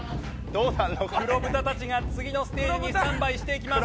黒豚たちが次のステージにスタンバイしていきます。